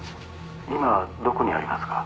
今どこにありますか？